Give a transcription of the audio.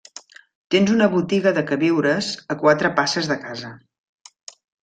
Tens una botiga de queviures a quatre passes de casa.